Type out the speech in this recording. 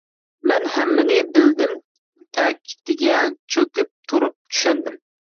مەن ھەممىنى بىلدىم، تەكتىگە چۆكۈپ تۇرۇپ چۈشەندىم.